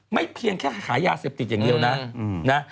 เพียงแค่ขายยาเสพติดอย่างเดียวนะ